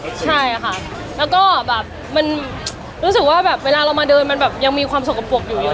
ใช่ค่ะแล้วก็แบบมันรู้สึกว่าแบบเวลาเรามาเดินมันแบบยังมีความสกปรกอยู่เยอะ